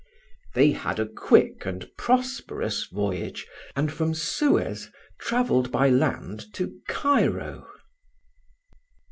They had a quick and prosperous voyage, and from Suez travelled by land to Cairo.